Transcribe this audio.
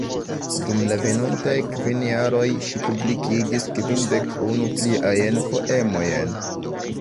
Dum la venontaj kvin jaroj ŝi publikigis kvindek-unu pliajn poemojn.